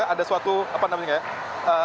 ada suatu apa namanya ya